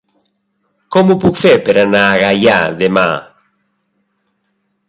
Com ho puc fer per anar a Gaià demà?